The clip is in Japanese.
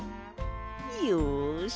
よし！